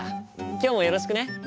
今日もよろしくね。